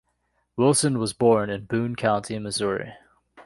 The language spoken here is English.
Wilson was born in Boone County, Missouri.